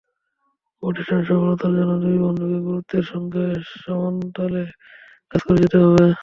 প্রতিষ্ঠানের সফলতার জন্য দুই বন্ধুকেই গুরুত্বের সঙ্গে সমানতালে কাজ করে যেতে হবে।